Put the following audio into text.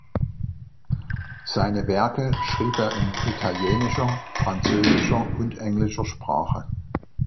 Seine Werke schrieb er in italienischer, französischer und englischer Sprache.